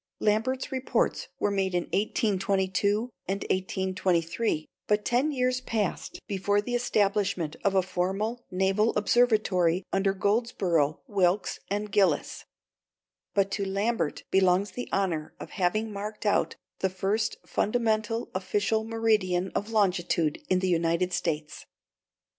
Lambert's reports were made in 1822 and 1823, but ten years passed before the establishment of a formal Naval Observatory under Goldsborough, Wilkes, and Gilliss. But to Lambert belongs the honor of having marked out the first fundamental official meridian of longitude in the United States.